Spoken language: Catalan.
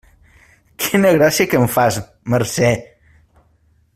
Quina gràcia que em fas, Mercè!